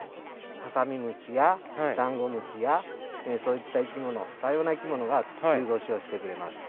ハサミムシやダンゴムシやそういったいきもの多様ないきものが冬越しをしてくれます。